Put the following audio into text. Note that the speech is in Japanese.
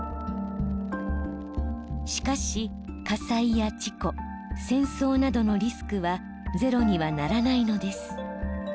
しかし火災や事故戦争などのリスクはゼロにはならないのです。